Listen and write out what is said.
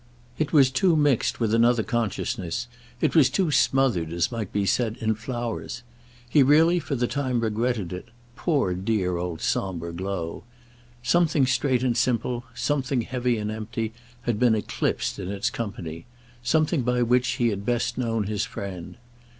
It was too mixed with another consciousness—it was too smothered, as might be said, in flowers. He really for the time regretted it—poor dear old sombre glow! Something straight and simple, something heavy and empty, had been eclipsed in its company; something by which he had best known his friend.